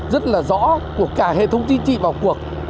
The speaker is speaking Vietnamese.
rất là rõ của cả hệ thống chính trị vào cuộc